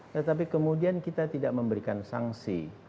tetapi kemudian kita tidak memberikan sanksi